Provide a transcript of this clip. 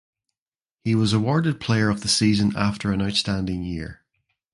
He was awarded player of the season after an outstanding year.